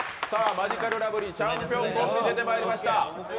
マヂカルラブリーチャンピオンが出てまいりました。